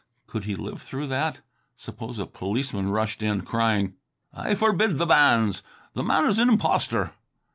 Could he live through that? Suppose a policeman rushed in, crying, "I forbid the banns! The man is an impostor!"